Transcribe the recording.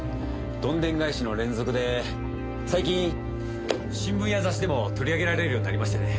どんでん返しの連続で最近新聞や雑誌でも取り上げられるようになりましてね。